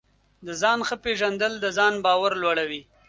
د ځان ښه پېژندل د ځان باور لوړوي.